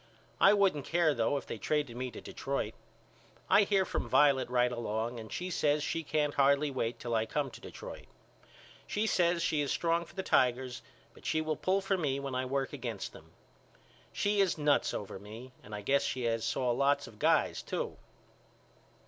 I wouldn't care though if they traded me to Detroit. I hear from Violet right along and she says she can't hardly wait till I come to Detroit. She says she is strong for the Tigers but she will pull for me when I work against them. She is nuts over me and I guess she has saw lots of guys to.